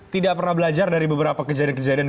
tidak pernah belajar dari beberapa kejadian kejadian